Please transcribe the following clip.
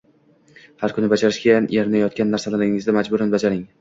Har kuni bajarishga erinayotgan narsalaringizni majburan bajaring